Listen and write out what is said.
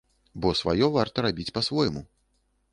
Бо сваё варта рабіць па-свойму.